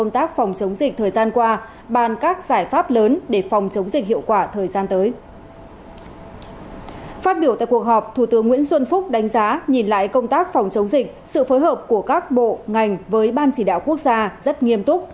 phát biểu tại cuộc họp thủ tướng nguyễn xuân phúc đánh giá nhìn lại công tác phòng chống dịch sự phối hợp của các bộ ngành với ban chỉ đạo quốc gia rất nghiêm túc